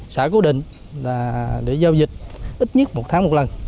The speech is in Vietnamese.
xã cố định là để giao dịch ít nhất một tháng một lần